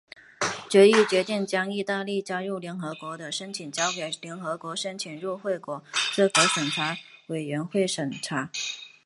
决议决定将意大利加入联合国的申请交给联合国申请入会国资格审查委员会审查。